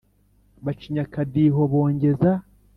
Bacinya akadiho bongeza